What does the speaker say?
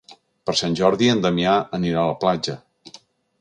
Per Sant Jordi en Damià anirà a la platja.